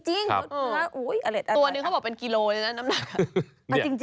ตัวนึงเขาบอกเป็นกิโลเลยนะ